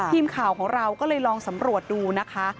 ทีมข่าวของเราก็เลยลองสำรวจดูนะคะ